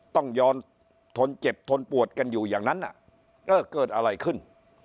ต้องย้อนทนเจ็บทนปวดกันอยู่อย่างนั้นเออเกิดอะไรขึ้น